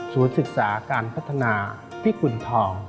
ศึกษาการพัฒนาพิกุณฑอง